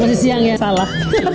aku sih yang salah